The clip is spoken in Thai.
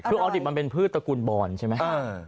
คือออดิบมันเป็นพืชตระกูลบอลใช่ไหม